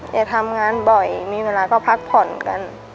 อย่าทำงานบ่อยมีเวลาก็พักผ่อนกัน